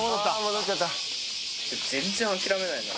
全然諦めないな。